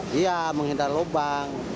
dia menghindari lubang